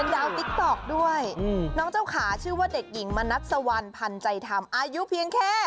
แล้วติ๊กต๊อกด้วยน้องเจ้าขาชื่อว่าเด็กหญิงมนัสสวรรค์พันธุ์ใจทำอายุเพียงแค่